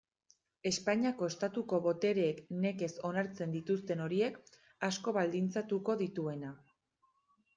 Espainiako Estatuko botereek nekez onartzen dituzten horiek, asko baldintzatuko dituena.